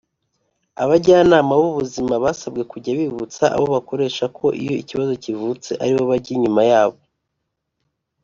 Abajyanama b’ubuzima basabwe kujya bibutsa aba bakoresha ko iyo ikibazo kivutse ari bo bajya inyuma yabo